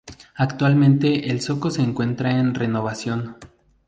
Actualmente el zoco se encuentra en renovación.